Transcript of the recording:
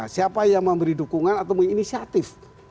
siapa yang memberi dukungan atau menginisiatif